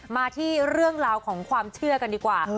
มาที่เรื่องราวของความเชื่อกันดีกว่า